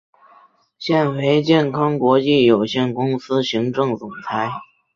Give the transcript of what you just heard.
现为健康国际有限公司行政总裁。